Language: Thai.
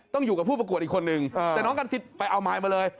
อยู่กับผู้ประกวดอีกคนนึงแต่น้องกันซิตไปเอาไมค์มาเลย